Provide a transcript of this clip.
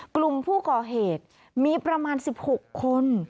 กลุ่มผู้ก่อเหตุมีประมาณ๑๖คน